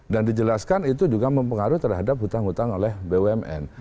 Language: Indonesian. dan dijelaskan itu juga mempengaruhi terhadap hutang hutang oleh bumn